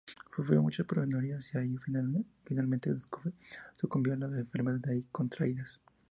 Sufrió muchas penurias ahí y finalmente sucumbió a las enfermedades ahí contraídas.